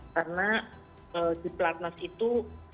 karena di pelatnas itu